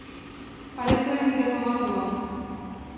Але тое не дапамагло.